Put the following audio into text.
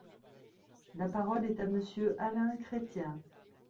La parole est à Monsieur Alain Chrétien.